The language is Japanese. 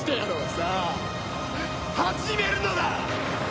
さあ始めるのだ！